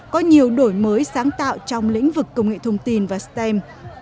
có nhiều đổi mới sáng tạo trong lĩnh vực công nghệ thông tin và stem